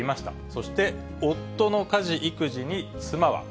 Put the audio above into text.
そして夫の家事・育児に妻は。